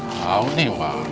tahu nih bang